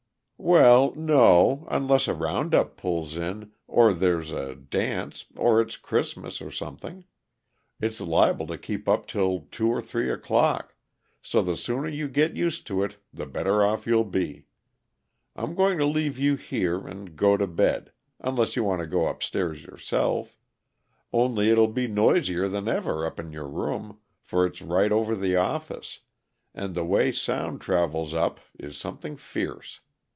"Well, no unless a round up pulls in, or there's a dance, or it's Christmas, or something. It's liable to keep up till two or three o'clock, so the sooner you git used to it, the better off you'll be. I'm going to leave you here, and go to bed unless you want to go upstairs yourself. Only it'll be noisier than ever up in your room, for it's right over the office, and the way sound travels up is something fierce.